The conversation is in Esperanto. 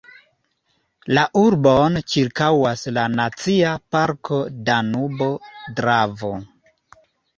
La urbon ĉirkaŭas la Nacia parko Danubo–Dravo.